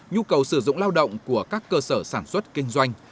nhu cầu sử dụng lao động của các cơ sở sản xuất kinh doanh